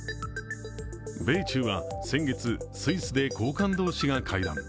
米中は先月、スイスで高官同士が会談。